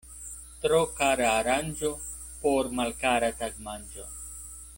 Tro kara aranĝo por malkara tagmanĝo.